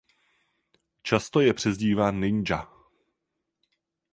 Často je přezdíván Ninja.